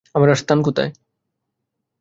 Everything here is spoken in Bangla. আর আমাদের স্থান কোথায়?